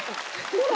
ほら！